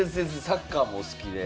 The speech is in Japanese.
サッカーもお好きで。